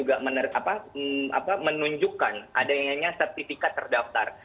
dan kemudian mereka juga menunjukkan adanya sertifikat terdaftar